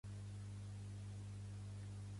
Amb quants descendents compten?